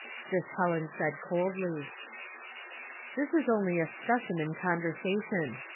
This Helen said coldly. This is only a specimen conversation.